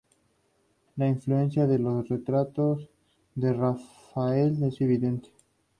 La influencia en los retratos de Rafael es evidente.